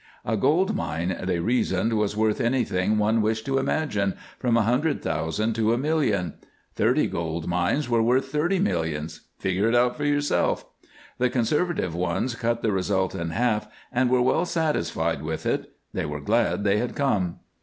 A gold mine, they reasoned, was worth anything one wished to imagine, from a hundred thousand to a million; thirty gold mines were worth thirty millions figure it out for yourself. The conservative ones cut the result in half and were well satisfied with it. They were glad they had come.